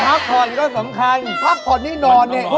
ภาพก่อนแน่วต้องทำต้องดูแล